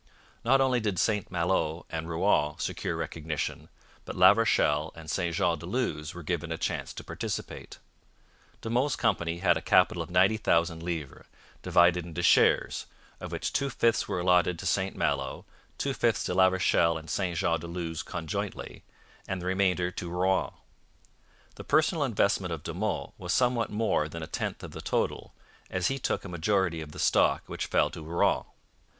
Not only did St Malo and Rouen secure recognition, but La Rochelle and St Jean de Luz were given a chance to participate. De Monts' company had a capital of 90,000 livres, divided in shares of which two fifths were allotted to St Malo, two fifths to La Rochelle and St Jean de Luz conjointly, and the remainder to Rouen. The personal investment of De Monts was somewhat more than a tenth of the total, as he took a majority of the stock which fell to Rouen.